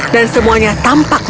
dan semuanya tampak keren